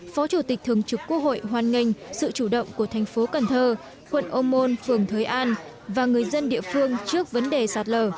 phó chủ tịch thường trực quốc hội hoan nghênh sự chủ động của thành phố cần thơ quận ô môn phường thới an và người dân địa phương trước vấn đề sạt lở